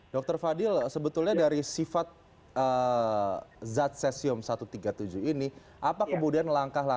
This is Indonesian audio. dr fadil sebetulnya dari sifat zat sesium satu ratus tiga puluh tujuh ini apa kemudian langkah langkah yang sebenarnya bisa dilakukan oleh anak anak